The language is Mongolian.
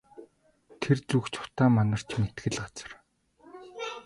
Тэр зүг ч утаа манарч мэдэх л газар.